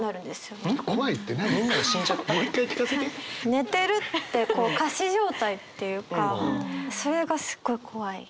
寝てるってこう仮死状態っていうかそれがすごい怖い。